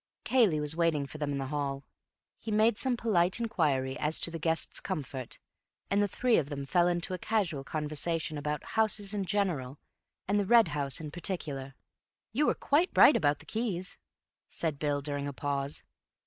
Cayley was waiting for them in the hall. He made some polite inquiry as to the guest's comfort, and the three of them fell into a casual conversation about houses in general and The Red House in particular. "You were quite right about the keys," said Bill, during a pause.